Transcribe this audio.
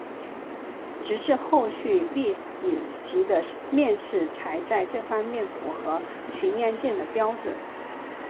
直至后续丽蝇级的面世才在这方面符合巡洋舰的标准。